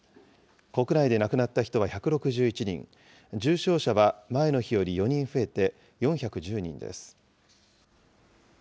国内で亡くなった人は１６１人、重症者は前の日より４人増えて４１０人です。